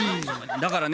だからね